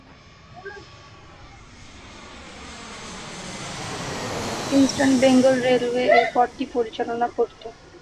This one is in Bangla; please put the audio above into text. ইস্টার্ন বেঙ্গল রেলওয়ে এই রেলপথটি পরিচালনা করত।